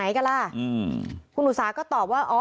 เมื่อวานแบงค์อยู่ไหนเมื่อวาน